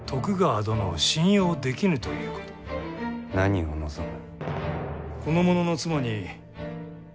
何を望む？